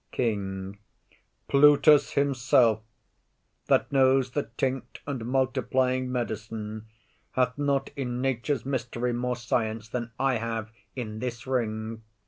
KING. Plutus himself, That knows the tinct and multiplying medicine, Hath not in nature's mystery more science Than I have in this ring.